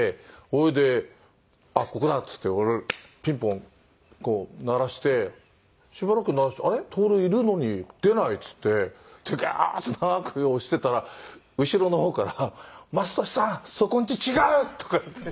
それで「あっここだ」っつって俺ピンポンこう鳴らしてしばらく鳴らして「あれ？徹いるのに出ない」っつってガーッて長く押してたら後ろの方から「雅俊さんそこんち違う！」とか言って。